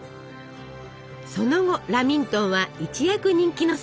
その後ラミントンは一躍人気のスイーツに！